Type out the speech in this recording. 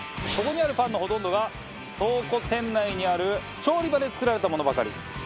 ここにあるパンのほとんどが倉庫店内にある調理場で作られたものばかり。